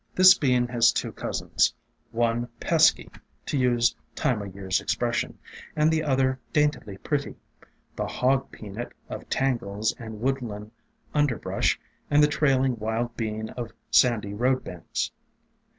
This Bean has two cousins, one "pesky," to use Time o' Year's expression, and the other daintily pretty, — the Hog Peanut of tangles and woodland underbrush, and the Trailing Wild Bean of sandy road banks.